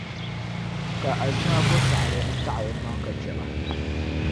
Ka Azima bo saɣili n-taɣi o maŋ’ ka chɛ ba.